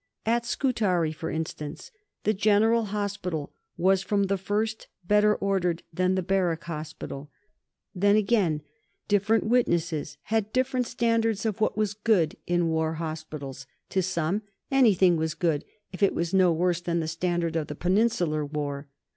At Scutari, for instance, the General Hospital was from the first better ordered than the Barrack Hospital. Then, again, different witnesses had different standards of what was "good" in War Hospitals; to some, anything was good if it was no worse than the standard of the Peninsular War.